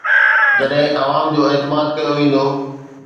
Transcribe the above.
جڏهن عوام جو اعتماد ڪيو ويندو.